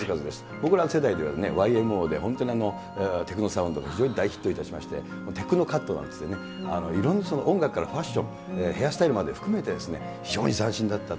僕らの世代では、ＹＭＯで本当にテクノサウンドが非常に大ヒットいたしました、テクノカットなんて言ってね、いろんな音楽からファッション、ヘアスタイルまで含めて非常に斬新だった。